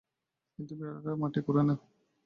কিন্তু বিড়ালরা মাটি খোঁড়ে না।